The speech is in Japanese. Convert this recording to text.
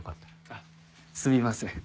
あっすみません。